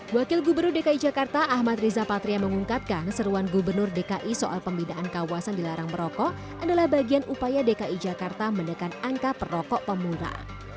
wakil gubernur dki jakarta ahmad riza patria mengungkapkan seruan gubernur dki soal pembinaan kawasan dilarang merokok adalah bagian upaya dki jakarta menekan angka perokok pemuda